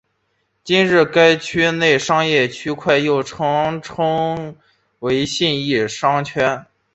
今日该区内之商业区块又常被称为信义商圈。